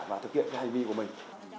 và thực hiện cái hành vi của mình